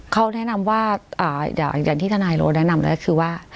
เขาแนะนำว่าอย่างที่ทนายโรแนะนำเลยก็คือว่า